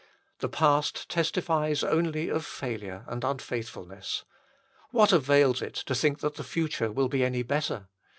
The past testifies only of failure and unfaithful ness. What avails it to think that the future will be any better